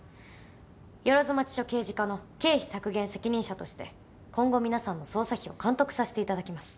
万町署刑事課の経費削減責任者として今後皆さんの捜査費を監督させていただきます。